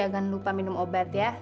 jangan lupa minum obat ya